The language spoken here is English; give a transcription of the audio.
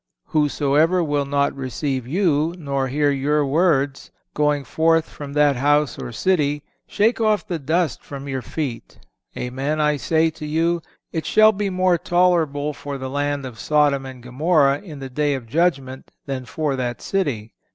"Whosoever will not receive you, nor hear your words, going forth from that house or city, shake off the dust from your feet. Amen, I say to you, it shall be more tolerable for the land of Sodom and Gomorrha in the day of judgment than for that city."